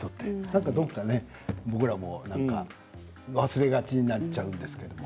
だから、どこか僕らも忘れがちになっちゃうんですけど。